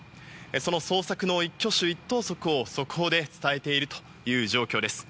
その捜索の一挙手一投足を速報で伝えている状況です。